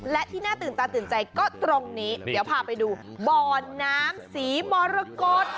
และที่น่าตื่นตาตื่นใจก็ตรงนี้เดี๋ยวพาไปดูบ่อน้ำสีมรกฏ